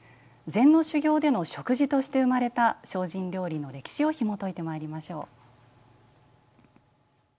禅の修行での食事として生まれた精進料理の歴史をひもといてまいりましょう。